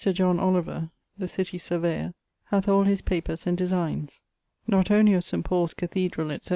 Oliver, the city surveyor, hath all his papers and designes, not only of St. Paul's Cathedral etc.